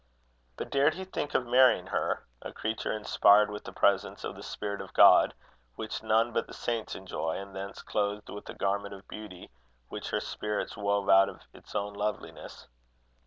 But dared he think of marrying her, a creature inspired with a presence of the Spirit of God which none but the saints enjoy, and thence clothed with a garment of beauty, which her spirit wove out of its own loveliness?